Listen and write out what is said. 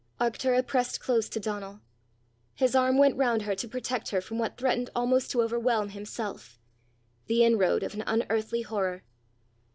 Arctura pressed close to Donal. His arm went round her to protect her from what threatened almost to overwhelm himself the inroad of an unearthly horror.